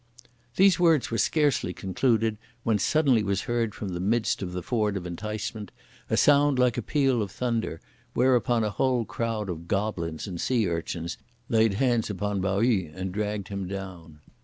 These words were scarcely concluded, when suddenly was heard from the midst of the Ford of Enticement, a sound like unto a peal of thunder, whereupon a whole crowd of gobblins and sea urchins laid hands upon Pao yü and dragged him down.